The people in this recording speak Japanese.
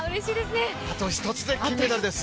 あと１つで金メダルです。